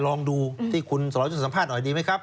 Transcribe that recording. ลองดูที่คุณสรยุทธ์สัมภาษณ์หน่อยดีไหมครับ